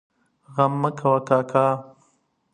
غم مه کوه کاکا!